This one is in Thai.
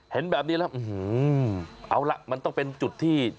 เห็นแบบนี้แล้วเอาล่ะมันต้องเป็นจุดที่